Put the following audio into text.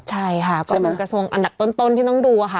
ใช่ค่ะก็เป็นกระทรวงอันดับต้นที่ต้องดูค่ะ